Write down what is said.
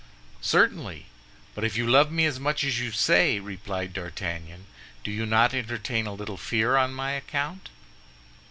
"Certainly; but if you love me as much as you say," replied D'Artagnan, "do you not entertain a little fear on my account?"